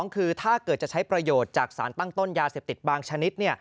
คือถ้าเกิดจะใช้ประโยชน์จากสารตั้งต้นยาเสพติดบางชนิด